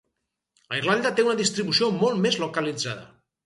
A Irlanda té una distribució molt més localitzada.